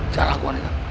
jangan lakukan itu